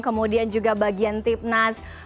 kemudian juga bagian tipnas